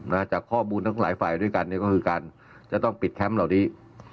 จากข้อมูลทั้งหลายฝ่ายด้วยกันเนี่ยก็คือการจะต้องปิดแคมป์เหล่านี้